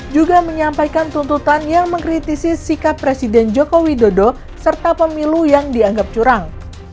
juga menyampaikan tuntutan yang mengkritisi sikap presiden joko widodo serta pemilu yang dianggap curang